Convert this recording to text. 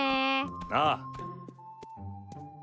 ああ。